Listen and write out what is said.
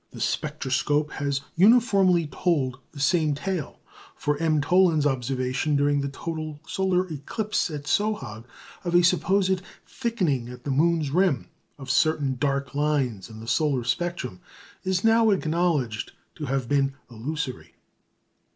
The spectroscope has uniformly told the same tale; for M. Thollon's observation during the total solar eclipse at Sohag of a supposed thickening at the moon's rim, of certain dark lines in the solar spectrum, is now acknowledged to have been illusory.